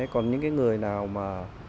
còn những cái người nào mà